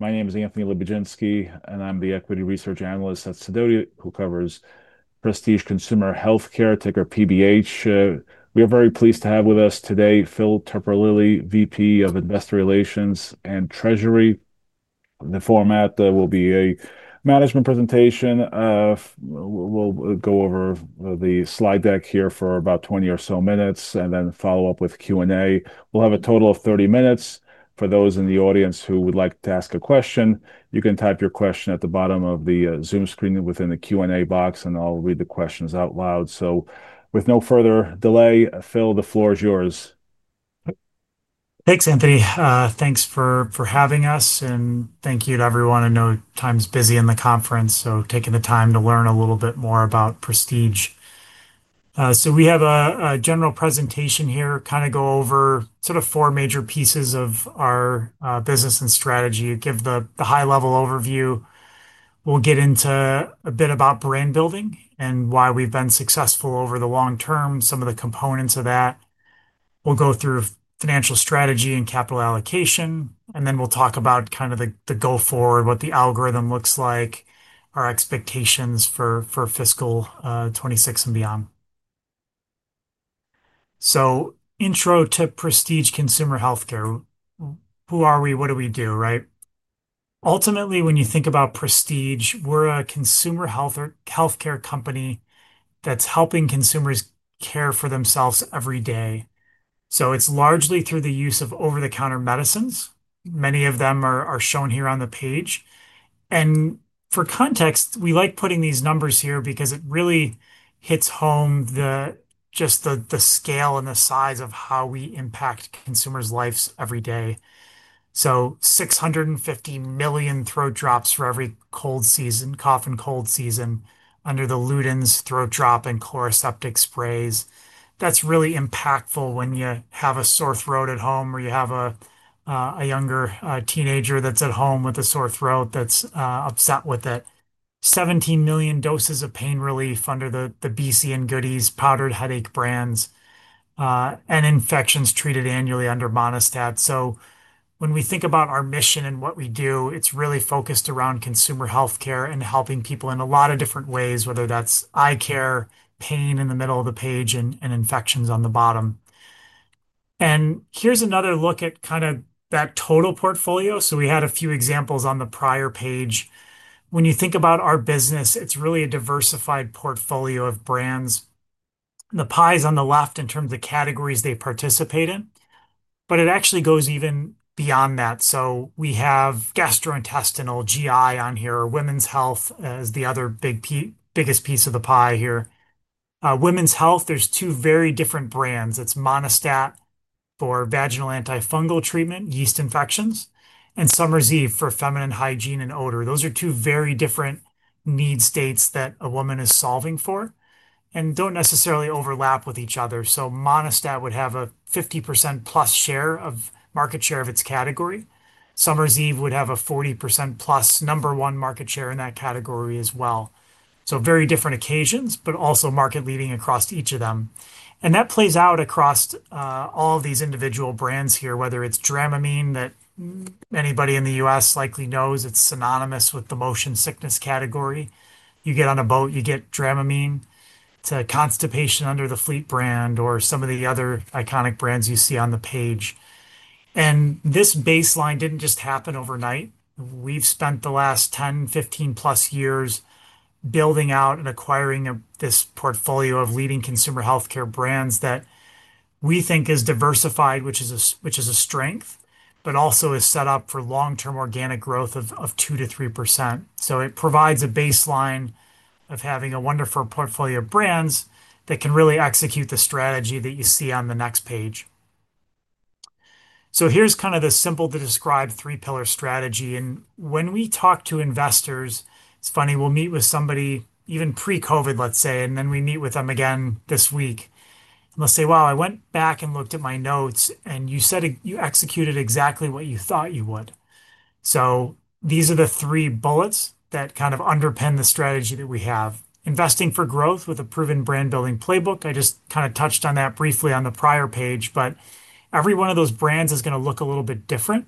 My name is Anthony Lebiedzinski, and I'm the Equity Research Analyst at Sidoti, who covers Prestige Consumer Healthcare, ticker PBH. We are very pleased to have with us today Phil Terpolilli, VP of Investor Relations and Treasury. The format will be a management presentation. We'll go over the slide deck here for about 20 or so minutes and then follow up with Q&A. We'll have a total of 30 minutes. For those in the audience who would like to ask a question, you can type your question at the bottom of the Zoom screen within the Q&A box, and I'll read the questions out loud. With no further delay, Phil, the floor is yours. Thanks, Anthony. Thanks for having us, and thank you to everyone. I know time's busy in the conference, so taking the time to learn a little bit more about Prestige. We have a general presentation here, kind of go over sort of four major pieces of our business and strategy, give the high-level overview. We'll get into a bit about brand building and why we've been successful over the long term, some of the components of that. We'll go through financial strategy and capital allocation, and then we'll talk about kind of the goal forward, what the algorithm looks like, our expectations for fiscal 2026 and beyond. Intro to Prestige Consumer Healthcare. Who are we? What do we do, right? Ultimately, when you think about Prestige, we're a consumer healthcare company that's helping consumers care for themselves every day. It's largely through the use of over-the-counter medicines. Many of them are shown here on the page. For context, we like putting these numbers here because it really hits home just the scale and the size of how we impact consumers' lives every day. 650 million throat drops for every cough and cold season under the Luden's throat drop and Chloraseptic sprays. That's really impactful when you have a sore throat at home or you have a younger teenager that's at home with a sore throat that's upset with it. 17 million doses of pain relief under the BC and Goody's powdered headache brands, and infections treated annually under Monistat. When we think about our mission and what we do, it's really focused around consumer healthcare and helping people in a lot of different ways, whether that's eye care, pain in the middle of the page, and infections on the bottom. Here's another look at kind of that total portfolio. We had a few examples on the prior page. When you think about our business, it's really a diversified portfolio of brands. The pie is on the left in terms of categories they participate in, but it actually goes even beyond that. We have gastrointestinal, GI on here, or women's health as the other biggest piece of the pie here. Women's health, there's two very different brands. It's Monistat for vaginal antifungal treatment, yeast infections, and Summer's Eve for feminine hygiene and odor. Those are two very different need states that a woman is solving for and don't necessarily overlap with each other. Monistat would have a 50%+ share of market share of its category. Summer's Eve would have a 40%+ number one market share in that category as well. Very different occasions, but also market leading across each of them. That plays out across all of these individual brands here, whether it's Dramamine that anybody in the U.S. likely knows, it's synonymous with the motion sickness category. You get on a boat, you get Dramamine. It's a constipation under the Fleet brand or some of the other iconic brands you see on the page. This baseline didn't just happen overnight. We've spent the last 10, 15+ years building out and acquiring this portfolio of leading consumer healthcare brands that we think is diversified, which is a strength, but also is set up for long-term organic growth of 2%-3%. It provides a baseline of having a wonderful portfolio of brands that can really execute the strategy that you see on the next page. Here's kind of the simple to describe three-pillar strategy. When we talk to investors, it's funny, we'll meet with somebody even pre-COVID, let's say, and then we meet with them again this week. They'll say, wow, I went back and looked at my notes, and you said you executed exactly what you thought you would. These are the three bullets that kind of underpin the strategy that we have. Investing for growth with a proven brand building playbook. I just kind of touched on that briefly on the prior page, but every one of those brands is going to look a little bit different.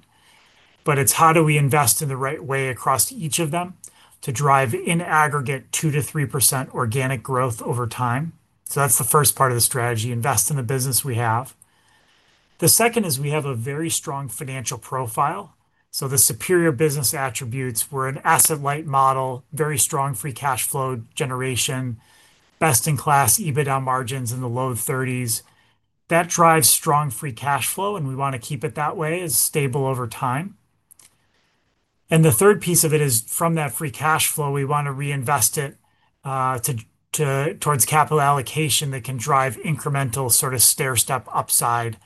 It's how do we invest in the right way across each of them to drive in aggregate 2%-3% organic growth over time? That's the first part of the strategy. Invest in the business we have. The second is we have a very strong financial profile. The superior business attributes, we're an asset-light model, very strong free cash flow generation, best-in-class EBITDA margins in the low 30s. That drives strong free cash flow, and we want to keep it that way, is stable over time. The third piece of it is from that free cash flow, we want to reinvest it towards capital allocation that can drive incremental sort of stair-step upside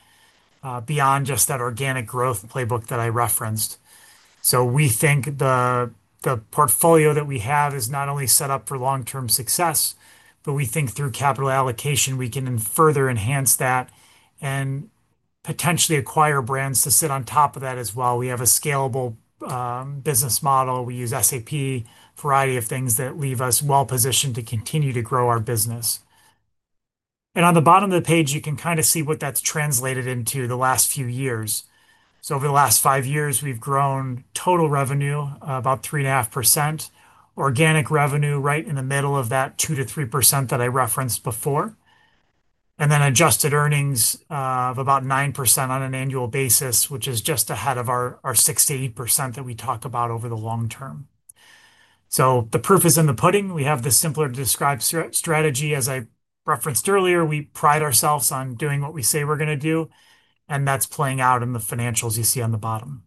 beyond just that organic growth playbook that I referenced. We think the portfolio that we have is not only set up for long-term success, but we think through capital allocation, we can further enhance that and potentially acquire brands to sit on top of that as well. We have a scalable business model. We use SAP, a variety of things that leave us well-positioned to continue to grow our business. On the bottom of the page, you can kind of see what that's translated into the last few years. Over the last five years, we've grown total revenue about 3.5%, organic revenue right in the middle of that 2%-3% that I referenced before, and then adjusted earnings of about 9% on an annual basis, which is just ahead of our 6%-8% that we talk about over the long term. The proof is in the pudding. We have the simpler to describe strategy. As I referenced earlier, we pride ourselves on doing what we say we're going to do, and that's playing out in the financials you see on the bottom.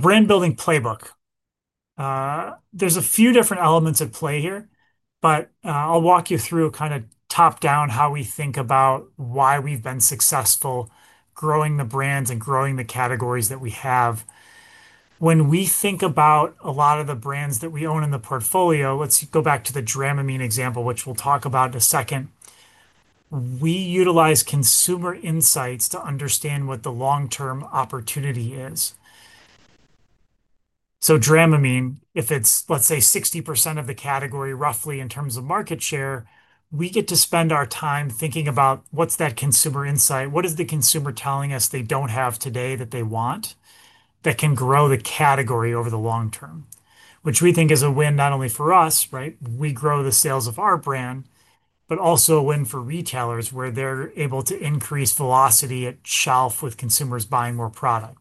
Brand building playbook. There are a few different elements at play here, but I'll walk you through kind of top-down how we think about why we've been successful growing the brands and growing the categories that we have. When we think about a lot of the brands that we own in the portfolio, let's go back to the Dramamine example, which we'll talk about in a second. We utilize consumer insights to understand what the long-term opportunity is. Dramamine, if it's, let's say, 60% of the category roughly in terms of market share, we get to spend our time thinking about what's that consumer insight, what is the consumer telling us they don't have today that they want that can grow the category over the long term, which we think is a win not only for us, right? We grow the sales of our brand, but also a win for retailers where they're able to increase velocity at shelf with consumers buying more product.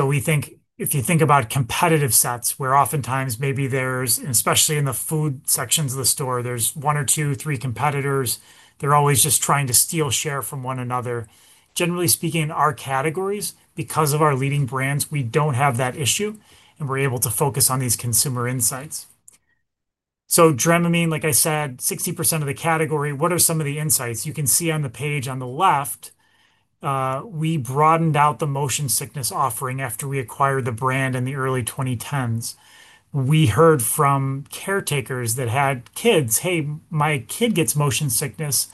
We think if you think about competitive sets where oftentimes maybe there's, especially in the food sections of the store, there's one or two, three competitors, they're always just trying to steal share from one another. Generally speaking, in our categories, because of our leading brands, we don't have that issue, and we're able to focus on these consumer insights. Dramamine, like I said, 60% of the category, what are some of the insights? You can see on the page on the left, we broadened out the motion sickness offering after we acquired the brand in the early 2010s. We heard from caretakers that had kids, "Hey, my kid gets motion sickness,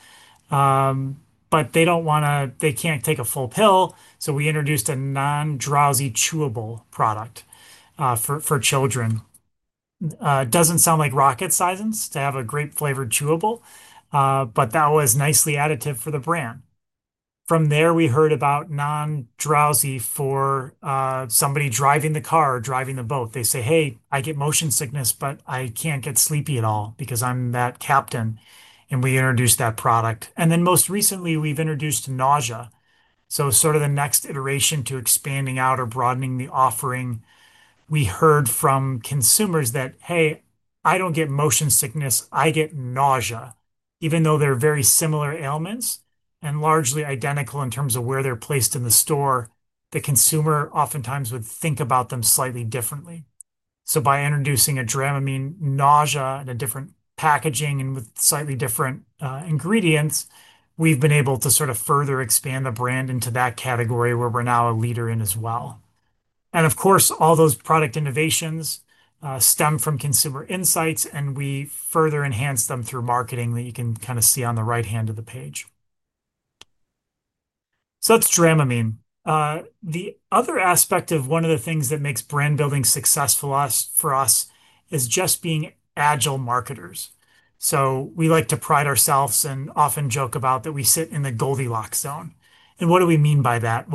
but they don't want to, they can't take a full pill." We introduced a non-drowsy chewable product for children. Doesn't sound like rocket science to have a great flavored chewable, but that was nicely additive for the brand. From there, we heard about non-drowsy for somebody driving the car, driving the boat. They say, "Hey, I get motion sickness, but I can't get sleepy at all because I'm that captain." We introduced that product. Most recently, we've introduced nausea. Sort of the next iteration to expanding out or broadening the offering, we heard from consumers that, "Hey, I don't get motion sickness, I get nausea." Even though they're very similar ailments and largely identical in terms of where they're placed in the store, the consumer oftentimes would think about them slightly differently. By introducing a Dramamine nausea in a different packaging and with slightly different ingredients, we've been able to further expand the brand into that category where we're now a leader in as well. Of course, all those product innovations stem from consumer insights, and we further enhance them through marketing that you can kind of see on the right hand of the page. That's Dramamine. The other aspect of one of the things that makes brand building successful for us is just being agile marketers. We like to pride ourselves and often joke about that we sit in the Goldilocks zone. What do we mean by that?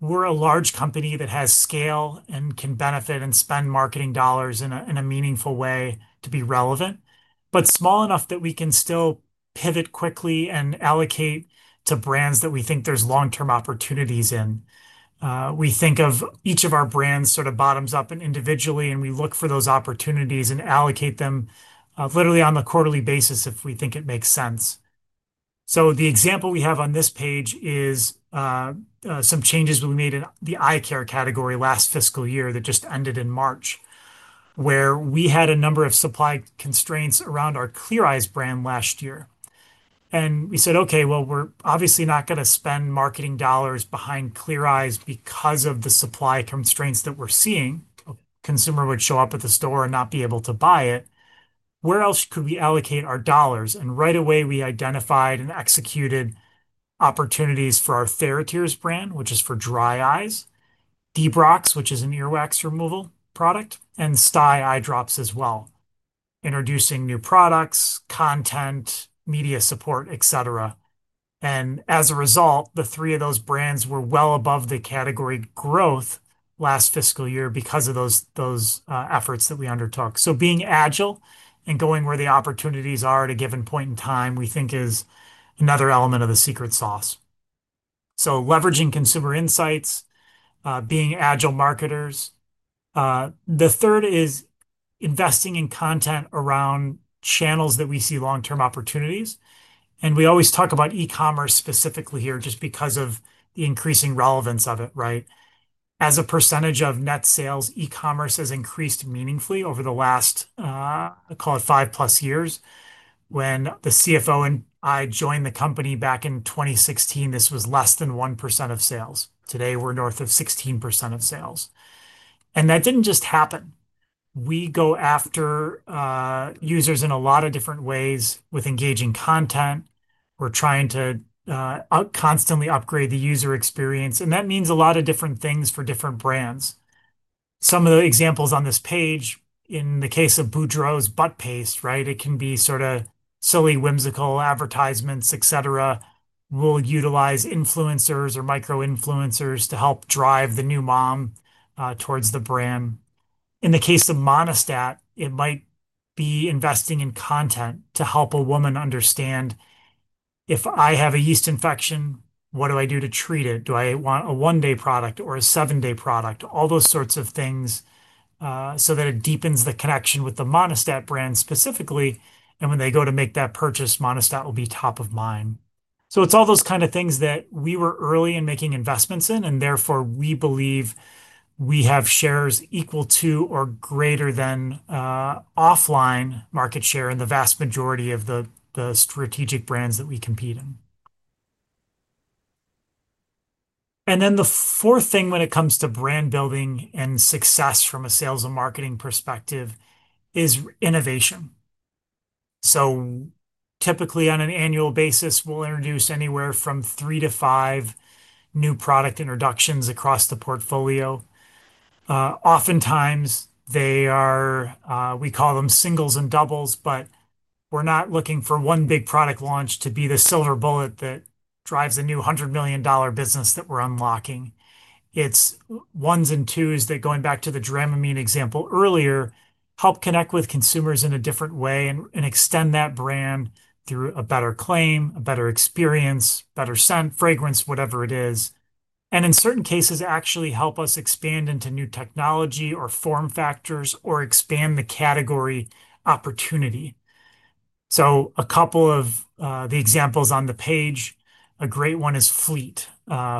We're a large company that has scale and can benefit and spend marketing dollars in a meaningful way to be relevant, but small enough that we can still pivot quickly and allocate to brands that we think there's long-term opportunities in. We think of each of our brands sort of bottoms up individually, and we look for those opportunities and allocate them literally on the quarterly basis if we think it makes sense. The example we have on this page is some changes we made in the eye care category last fiscal year that just ended in March, where we had a number of supply constraints around our Clear Eyes brand last year. We said, "Okay, we're obviously not going to spend marketing dollars behind Clear Eyes because of the supply constraints that we're seeing. A consumer would show up at the store and not be able to buy it. Where else could we allocate our dollars?" Right away, we identified and executed opportunities for our TheraTears brand, which is for dry eyes, Debrox, which is an earwax removal product, and Stye eye drops as well, introducing new products, content, media support, etc. As a result, the three of those brands were well above the category growth last fiscal year because of those efforts that we undertook. Being agile and going where the opportunities are at a given point in time, we think is another element of the secret sauce. Leveraging consumer insights, being agile marketers. The third is investing in content around channels that we see long-term opportunities. We always talk about e-commerce specifically here just because of the increasing relevance of it, right? As a percentage of net sales, e-commerce has increased meaningfully over the last, I call it five plus years. When the CFO and I joined the company back in 2016, this was less than 1% of sales. Today, we're north of 16% of sales. That didn't just happen. We go after users in a lot of different ways with engaging content. We're trying to constantly upgrade the user experience. That means a lot of different things for different brands. Some of the examples on this page, in the case of Boudreaux’s Butt Paste, right? It can be sort of silly, whimsical advertisements, etc. We'll utilize influencers or micro-influencers to help drive the new mom towards the brand. In the case of Monistat, it might be investing in content to help a woman understand if I have a yeast infection, what do I do to treat it? Do I want a one-day product or a seven-day product? All those sorts of things so that it deepens the connection with the Monistat brand specifically. When they go to make that purchase, Monistat will be top of mind. It's all those kind of things that we were early in making investments in, and therefore we believe we have shares equal to or greater than offline market share in the vast majority of the strategic brands that we compete in. The fourth thing when it comes to brand building and success from a sales and marketing perspective is innovation. Typically on an annual basis, we'll introduce anywhere from three to five new product introductions across the portfolio. Oftentimes, we call them singles and doubles, but we're not looking for one big product launch to be the silver bullet that drives a new $100 million business that we're unlocking. It's ones and twos that, going back to the Dramamine example earlier, help connect with consumers in a different way and extend that brand through a better claim, a better experience, better scent, fragrance, whatever it is. In certain cases, actually help us expand into new technology or form factors or expand the category opportunity. A couple of the examples on the page, a great one is Fleet.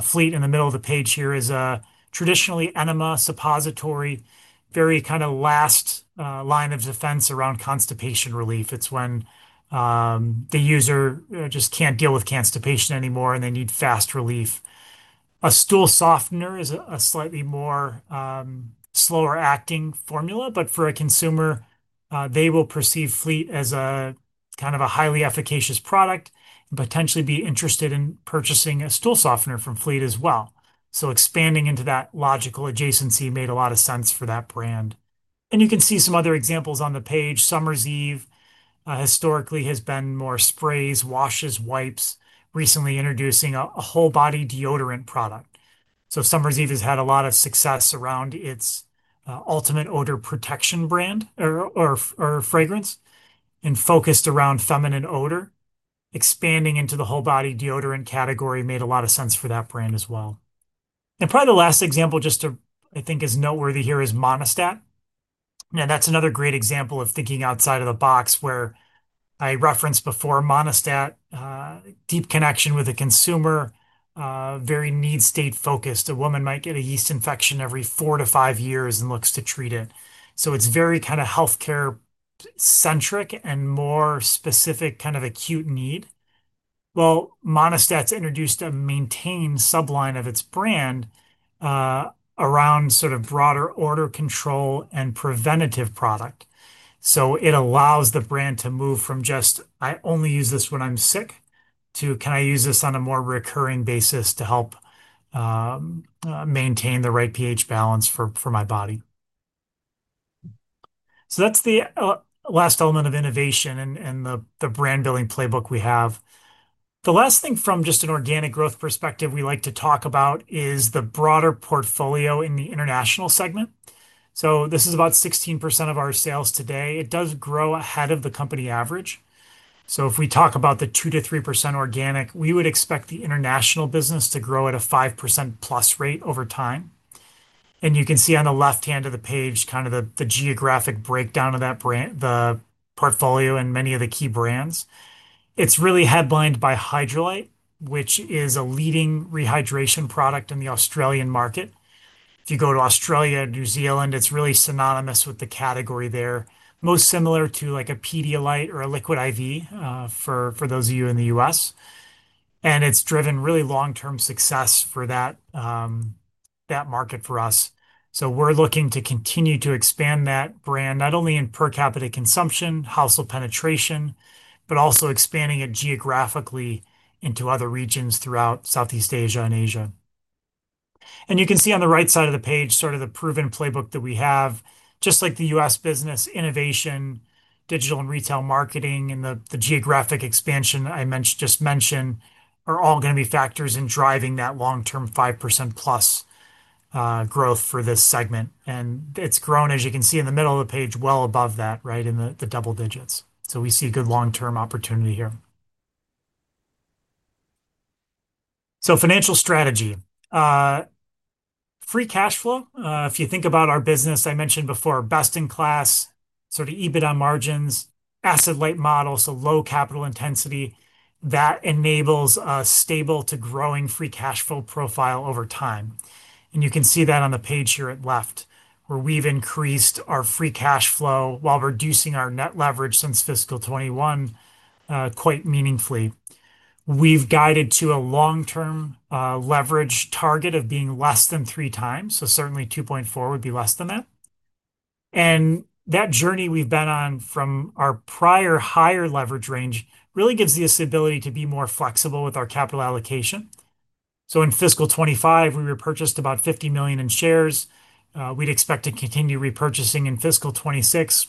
Fleet in the middle of the page here is a traditional enema suppository, very kind of last line of defense around constipation relief. It's when the user just can't deal with constipation anymore and they need fast relief. A stool softener is a slightly more slower acting formula, but for a consumer, they will perceive Fleet as a kind of a highly efficacious product and potentially be interested in purchasing a stool softener from Fleet as well. Expanding into that logical adjacency made a lot of sense for that brand. You can see some other examples on the page. Summer's Eve historically has been more sprays, washes, wipes, recently introducing a whole body deodorant product. Summer's Eve has had a lot of success around its ultimate odor protection brand or fragrance and focused around feminine odor. Expanding into the whole body deodorant category made a lot of sense for that brand as well. Probably the last example, just to I think is noteworthy here, is Monistat. That's another great example of thinking outside of the box where I referenced before Monistat, deep connection with the consumer, very need state focused. A woman might get a yeast infection every four to five years and looks to treat it. It's very kind of healthcare-centric and more specific kind of acute need. Monistat's introduced a maintain subline of its brand around sort of broader odor control and preventative product. It allows the brand to move from just, "I only use this when I'm sick," to, "Can I use this on a more recurring basis to help maintain the right pH balance for my body?" That's the last element of innovation and the brand building playbook we have. The last thing from just an organic growth perspective we like to talk about is the broader portfolio in the international segment. This is about 16% of our sales today. It does grow ahead of the company average. If we talk about the 2%-3% organic, we would expect the international business to grow at a 5%+ rate over time. You can see on the left hand of the page kind of the geographic breakdown of that brand, the portfolio, and many of the key brands. It's really headlined by Hydralyte, which is a leading rehydration product in the Australian market. If you go to Australia and New Zealand, it's really synonymous with the category there, most similar to like a Pedialyte or a Liquid IV for those of you in the U.S. It's driven really long-term success for that market for us. We're looking to continue to expand that brand not only in per capita consumption, household penetration, but also expanding it geographically into other regions throughout Southeast Asia and Asia. You can see on the right side of the page sort of the proven playbook that we have, just like the U.S. business innovation, digital and retail marketing, and the geographic expansion I just mentioned are all going to be factors in driving that long-term 5%+ growth for this segment. It's grown, as you can see in the middle of the page, well above that, right in the double digits. We see good long-term opportunity here. Financial strategy, free cash flow. If you think about our business, I mentioned before, best-in-class sort of EBITDA margins, asset-light model, so low capital intensity, that enables a stable to growing free cash flow profile over time. You can see that on the page here at left, where we've increased our free cash flow while reducing our net leverage since fiscal 2021 quite meaningfully. We've guided to a long-term leverage target of being less than three times, so certainly 2.4x would be less than that. That journey we've been on from our prior higher leverage range really gives us the ability to be more flexible with our capital allocation. In fiscal 2025, we repurchased about $50 million in shares. We'd expect to continue repurchasing in fiscal 2026.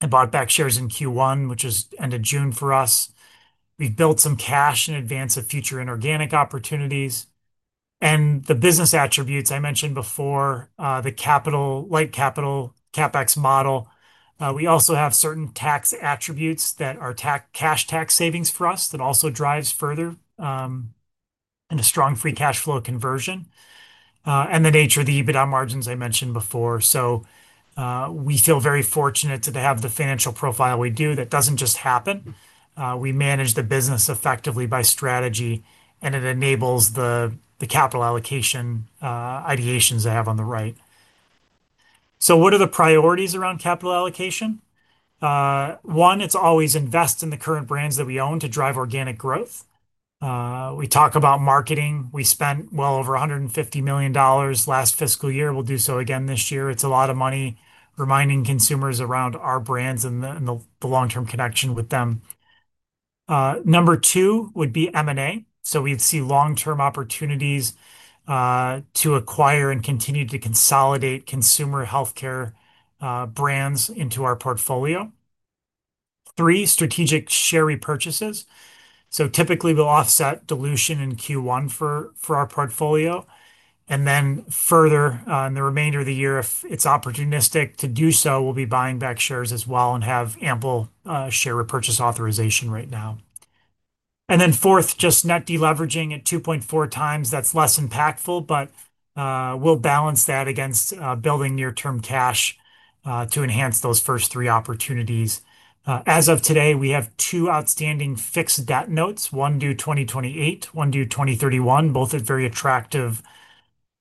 I bought back shares in Q1, which was end of June for us. We built some cash in advance of future inorganic opportunities. The business attributes I mentioned before, the capital-light CapEx model. We also have certain tax attributes that are cash tax savings for us that also drive further in a strong free cash flow conversion, and the nature of the EBITDA margins I mentioned before. We feel very fortunate to have the financial profile we do. That doesn't just happen. We manage the business effectively by strategy, and it enables the capital allocation ideations I have on the right. What are the priorities around capital allocation? One, it's always invest in the current brands that we own to drive organic growth. We talk about marketing. We spent well over $150 million last fiscal year. We'll do so again this year. It's a lot of money reminding consumers around our brands and the long-term connection with them. Number two would be M&A. We'd see long-term opportunities to acquire and continue to consolidate consumer healthcare brands into our portfolio. Three, strategic share repurchases. Typically, we'll offset dilution in Q1 for our portfolio. Further in the remainder of the year, if it's opportunistic to do so, we'll be buying back shares as well and have ample share repurchase authorization right now. Fourth, just net deleveraging at 2.4x. That's less impactful, but we'll balance that against building near-term cash to enhance those first three opportunities. As of today, we have two outstanding fixed debt notes, one due 2028, one due 2031, both at very attractive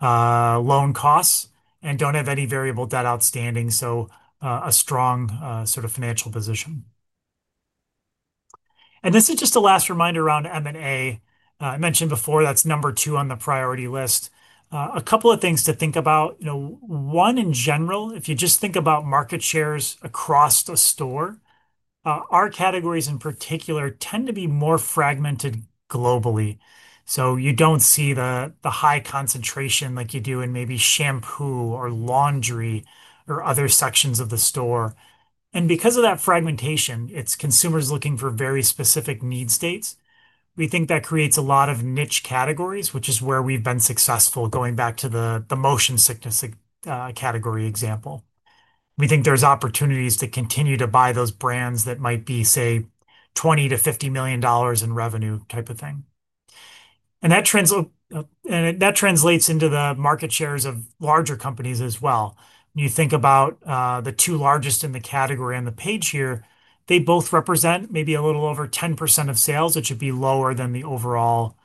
loan costs and don't have any variable debt outstanding. A strong sort of financial position. This is just a last reminder around M&A. I mentioned before that's number two on the priority list. A couple of things to think about. One, in general, if you just think about market shares across the store, our categories in particular tend to be more fragmented globally. You don't see the high concentration like you do in maybe shampoo or laundry or other sections of the store. Because of that fragmentation, it's consumers looking for very specific need states. We think that creates a lot of niche categories, which is where we've been successful, going back to the motion sickness category example. We think there's opportunities to continue to buy those brands that might be, say, $20 million-$50 million in revenue type of thing. That translates into the market shares of larger companies as well. You think about the two largest in the category on the page here. They both represent maybe a little over 10% of sales, which would be lower than the overall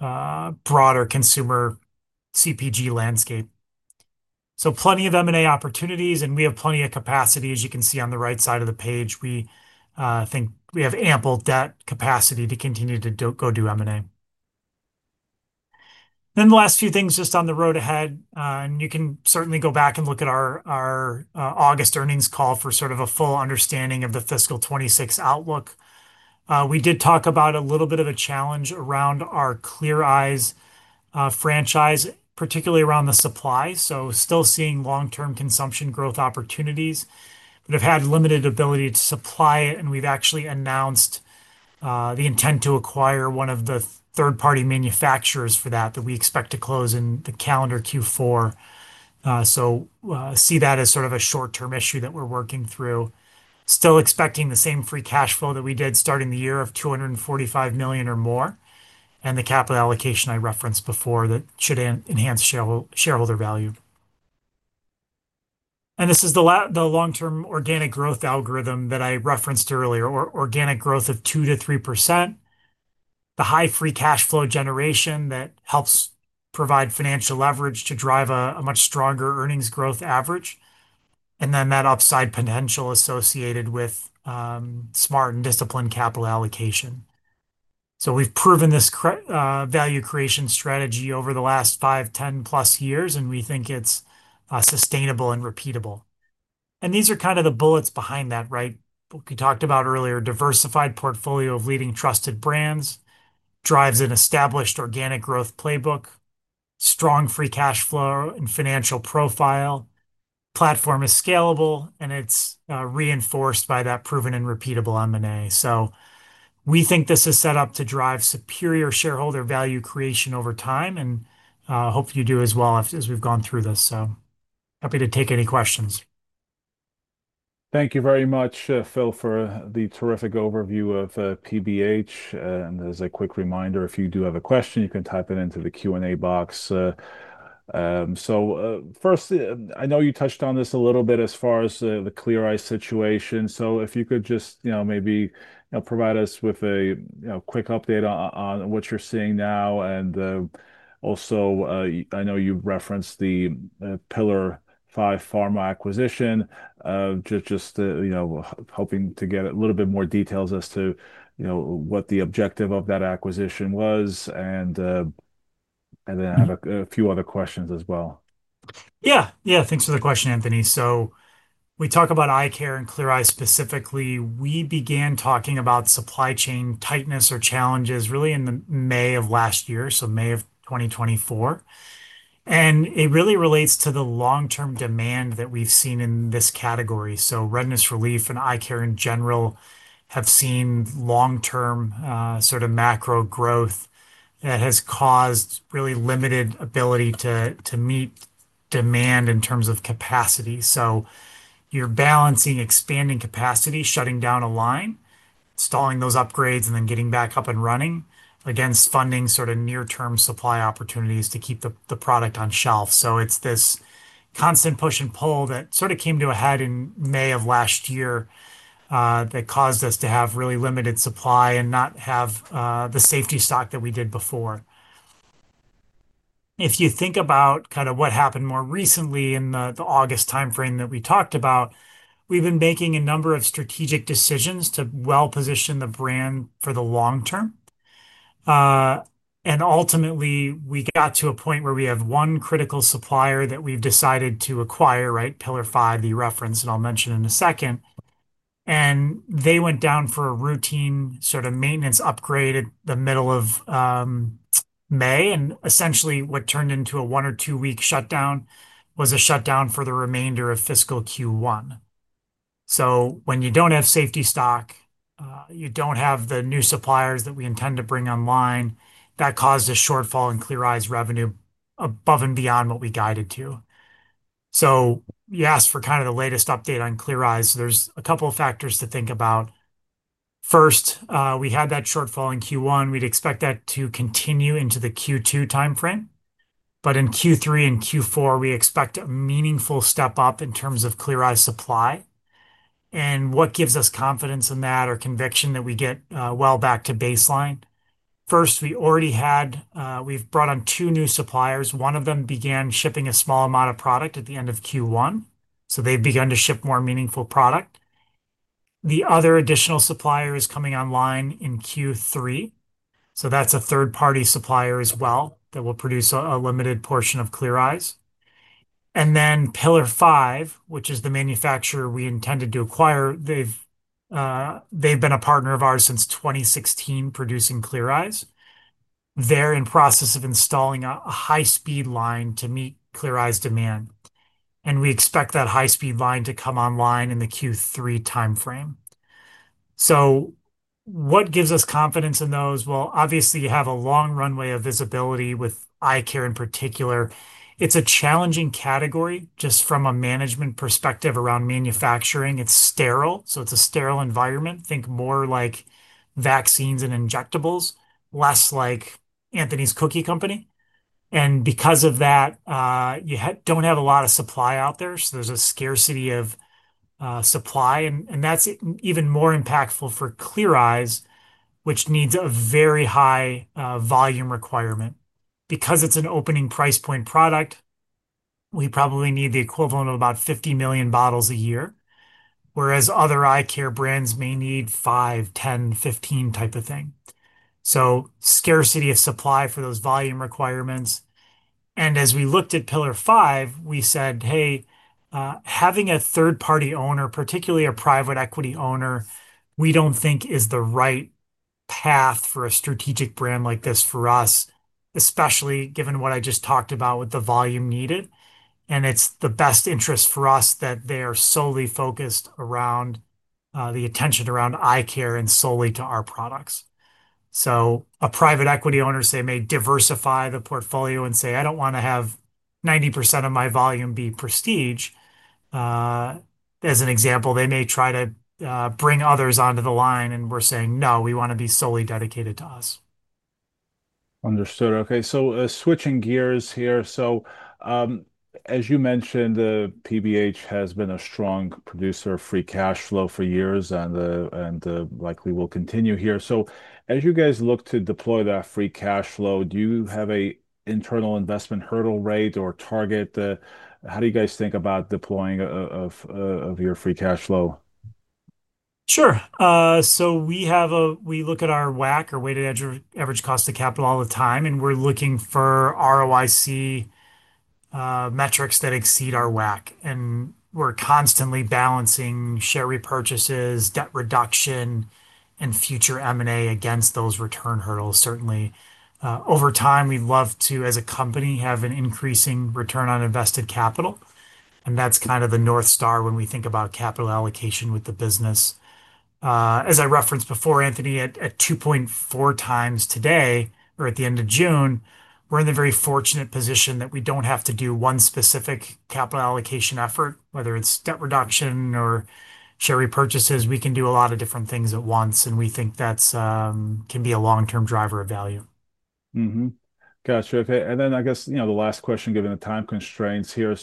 broader consumer CPG landscape. Plenty of M&A opportunities, and we have plenty of capacity, as you can see on the right side of the page. We think we have ample debt capacity to continue to go do M&A. The last few things just on the road ahead, and you can certainly go back and look at our August earnings call for sort of a full understanding of the fiscal 2026 outlook. We did talk about a little bit of a challenge around our Clear Eyes franchise, particularly around the supply. Still seeing long-term consumption growth opportunities, but have had limited ability to supply it. We have actually announced the intent to acquire one of the third-party manufacturers for that, which we expect to close in calendar Q4. See that as sort of a short-term issue that we're working through. Still expecting the same free cash flow that we did starting the year of $245 million or more, and the capital allocation I referenced before should enhance shareholder value. This is the long-term organic growth algorithm that I referenced earlier, or organic growth of 2%-3%. The high free cash flow generation helps provide financial leverage to drive a much stronger earnings growth average. There is upside potential associated with smart and disciplined capital allocation. We have proven this value creation strategy over the last five, ten plus years, and we think it's sustainable and repeatable. These are kind of the bullets behind that, right? We talked about earlier, diversified portfolio of leading trusted brands drives an established organic growth playbook, strong free cash flow and financial profile. The platform is scalable, and it's reinforced by that proven and repeatable M&A. We think this is set up to drive superior shareholder value creation over time, and hope you do as well as we've gone through this. Happy to take any questions. Thank you very much, Phil. Thank you. for the terrific overview of PBH. As a quick reminder, if you do have a question, you can type it into the Q&A box. First, I know you touched on this a little bit as far as the Clear Eyes situation. If you could just maybe provide us with a quick update on what you're seeing now. I know you referenced the PILLAR5 PHARMA acquisition, just hoping to get a little bit more details as to what the objective of that acquisition was. I have a few other questions as well. Yeah, thanks for the question, Anthony. We talk about eye care and Clear Eyes specifically. We began talking about supply chain tightness or challenges in May of last year, so May of 2024. It really relates to the long-term demand that we've seen in this category. Redness relief and eye care in general have seen long-term macro growth that has caused really limited ability to meet demand in terms of capacity. You're balancing expanding capacity, shutting down a line, stalling those upgrades, and then getting back up and running against funding near-term supply opportunities to keep the product on shelf. It's this constant push and pull that came to a head in May of last year that caused us to have really limited supply and not have the safety stock that we did before. If you think about what happened more recently in the August timeframe that we talked about, we've been making a number of strategic decisions to well position the brand for the long term. Ultimately, we got to a point where we have one critical supplier that we've decided to acquire, PILLAR5, the reference that I'll mention in a second. They went down for a routine maintenance upgrade in the middle of May. Essentially, what turned into a one or two-week shutdown was a shutdown for the remainder of fiscal Q1. When you don't have safety stock, you don't have the new suppliers that we intend to bring online, that causes a shortfall in Clear Eyes revenue above and beyond what we guided to. You asked for the latest update on Clear Eyes. There are a couple of factors to think about. First, we had that shortfall in Q1. We'd expect that to continue into the Q2 timeframe. In Q3 and Q4, we expect a meaningful step up in terms of Clear Eyes supply. What gives us confidence in that or conviction that we get well back to baseline? First, we've brought on two new suppliers. One of them began shipping a small amount of product at the end of Q1. They've begun to ship more meaningful product. The other additional supplier is coming online in Q3. That's a third-party supplier as well that will produce a limited portion of Clear Eyes. PILLAR5, which is the manufacturer we intended to acquire, has been a partner of ours since 2016, producing Clear Eyes. They're in the process of installing a high-speed line to meet Clear Eyes' demand. We expect that high-speed line to come online in the Q3 timeframe. What gives us confidence in those? Obviously, you have a long runway of visibility with eye care in particular. It's a challenging category just from a management perspective around manufacturing. It's sterile. It's a sterile environment. Think more like vaccines and injectables, less like Anthony's Cookie Company. Because of that, you don't have a lot of supply out there. There's a scarcity of supply. That's even more impactful for Clear Eyes, which needs a very high volume requirement. Because it's an opening price point product, we probably need the equivalent of about 50 million bottles a year, whereas other eye care brands may need 5, 10, 15, that type of thing. Scarcity of supply for those volume requirements. As we looked at PILLAR5, we said, "Hey, having a third-party owner, particularly a private equity owner, we don't think is the right path for a strategic brand like this for us, especially given what I just talked about with the volume needed. It's in the best interest for us that they are solely focused around the attention around eye care and solely to our products." A private equity owner, say, may diversify the portfolio and say, "I don't want to have 90% of my volume be Prestige." As an example, they may try to bring others onto the line, and we're saying, "No, we want to be solely dedicated to us. Understood. Okay. Switching gears here, as you mentioned, PBH has been a strong producer of free cash flow for years and likely will continue here. As you guys look to deploy that free cash flow, do you have an internal investment hurdle rate or target? How do you guys think about deploying your free cash flow? Sure. We look at our weighted average cost of capital all the time, and we're looking for return on invested capital metrics that exceed our weighted average cost of capital. We're constantly balancing share repurchases, debt reduction, and future M&A against those return hurdles. Certainly, over time, we'd love to, as a company, have an increasing return on invested capital. That's kind of the North Star when we think about capital allocation with the business. As I referenced before, Anthony, at 2.4x today or at the end of June, we're in the very fortunate position that we don't have to do one specific capital allocation effort, whether it's debt reduction or share repurchases. We can do a lot of different things at once, and we think that can be a long-term driver of value. Gotcha. I guess the last question, given the time constraints here.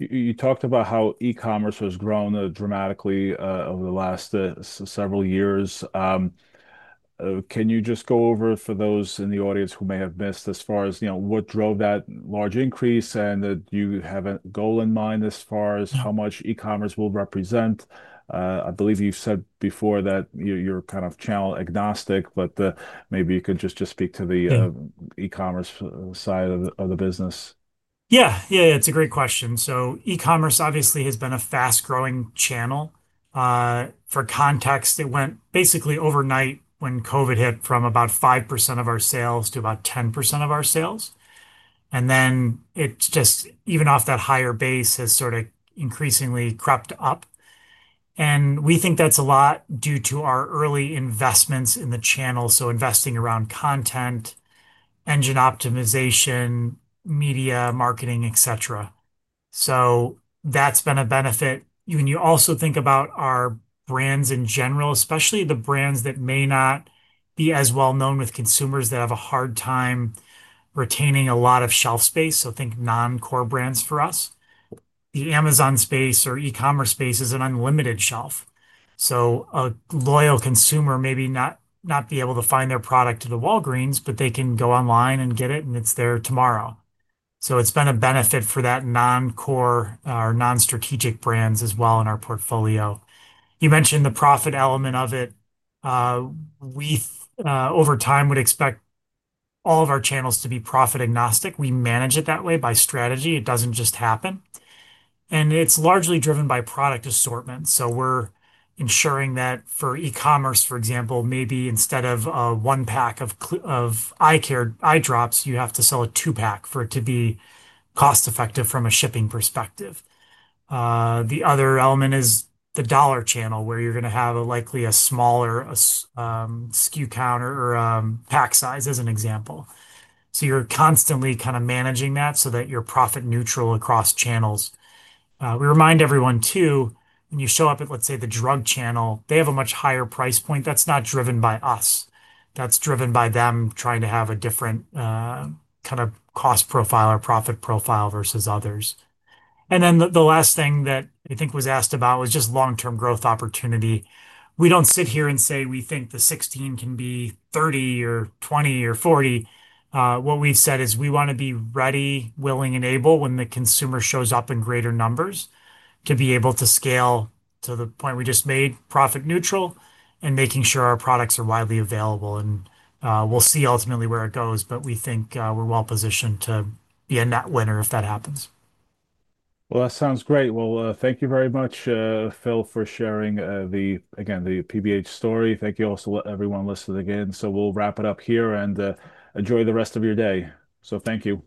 You talked about how e-commerce has grown dramatically over the last several years. Can you just go over for those in the audience who may have missed as far as what drove that large increase and that you have a goal in mind as far as how much e-commerce will represent? I believe you've said before that you're kind of channel-agnostic, but maybe you could just speak to the e-commerce side of the business. Yeah, it's a great question. E-commerce obviously has been a fast-growing channel. For context, it went basically overnight when COVID hit from about 5% of our sales to about 10% of our sales. Then even off that higher base, it has sort of increasingly crept up. We think that's a lot due to our early investments in the channel, investing around content, engine optimization, media, marketing, etc. That's been a benefit. When you also think about our brands in general, especially the brands that may not be as well known with consumers that have a hard time retaining a lot of shelf space, think non-core brands for us. The Amazon space or e-commerce space is an unlimited shelf. A loyal consumer may not be able to find their product at the Walgreens, but they can go online and get it, and it's there tomorrow. It's been a benefit for those non-core or non-strategic brands as well in our portfolio. You mentioned the profit element of it. We, over time, would expect all of our channels to be profit-agnostic. We manage it that way by strategy. It doesn't just happen, and it's largely driven by product assortment. We're ensuring that for e-commerce, for example, maybe instead of a one pack of eye care, eye drops, you have to sell a two-pack for it to be cost-effective from a shipping perspective. The other element is the dollar channel where you're going to have likely a smaller SKU count or pack size as an example. You're constantly kind of managing that so that you're profit neutral across channels. We remind everyone too, when you show up at, let's say, the drug channel, they have a much higher price point. That's not driven by us. That's driven by them trying to have a different kind of cost profile or profit profile versus others. The last thing that I think was asked about was just long-term growth opportunity. We don't sit here and say we think the 16 can be 30 or 20 or 40. What we've said is we want to be ready, willing, and able when the consumer shows up in greater numbers to be able to scale to the point we just made, profit neutral, and making sure our products are widely available. We'll see ultimately where it goes, but we think we're well positioned to be a net winner if that happens. Thank you very much, Phil, for sharing the PBH story. Thank you also to everyone listening in. We'll wrap it up here and enjoy the rest of your day. Thank you.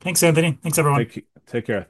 Thanks, Anthony. Thanks, everyone. Take care.